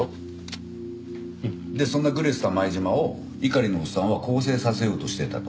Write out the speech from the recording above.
でそんなグレてた前島を猪狩のオッサンは更生させようとしてたと。